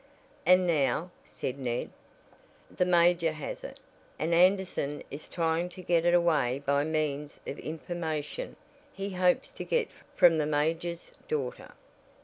"And now," said Ned, "the major has it, and Anderson is trying to get it away by means of information he hopes to get from the major's daughter?